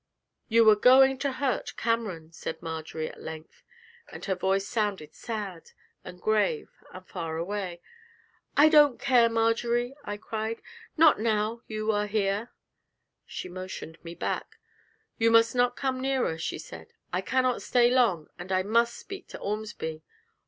'You were going to hurt Cameron,' said Marjory, at length, and her voice sounded sad and grave and far away. 'I don't care, Marjory,' I cried, 'not now you are here!' She motioned me back: 'You must not come nearer,' she said. 'I cannot stay long, and I must speak to Ormsby.